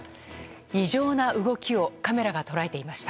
異常な動きをカメラが捉えていました。